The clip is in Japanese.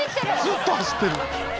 「ずっと走ってる」